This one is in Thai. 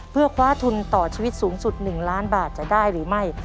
เพื่อคว้าทุนต่อชีวิตสูงสุด๑ล้านบาทจะได้หรือไม่